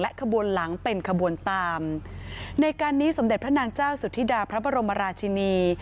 ขบวนหลังเป็นขบวนตามในการนี้สมเด็จพระนางเจ้าสุธิดาพระบรมราชินี